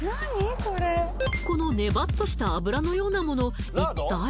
このネバっとした油のようなもの一体？